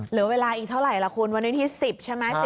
เหลือเวลาอีกเท่าไหร่ล่ะคุณวันนี้ที่๑๐ใช่ไหม